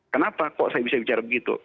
kenapa kok saya bisa bicara begitu